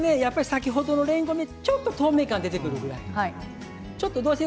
先ほどのれんこんにちょっと透明感が出てくるぐらい。